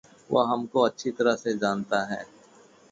वह हमको अच्छी तरह से जानता है।